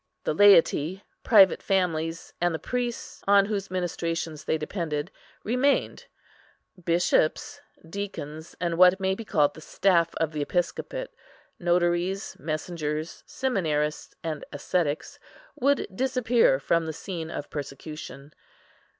The laity, private families, and the priests, on whose ministrations they depended, remained; bishops, deacons, and what may be called the staff of the episcopate, notaries, messengers, seminarists, and ascetics, would disappear from the scene of persecution.